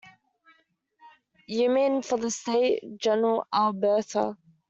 You mean for this State, General, Alberta.